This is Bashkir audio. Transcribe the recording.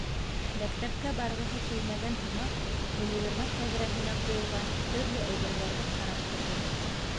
Мәктәпкә барғыһы килмәгән һымаҡ, универмаг тәҙрәһенә ҡуйылған төрлө әйберҙәрҙе ҡарап торҙо.